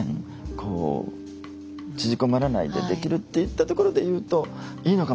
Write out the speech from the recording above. こう縮こまらないでできるっていったところでいうといいのかも分かりませんよね。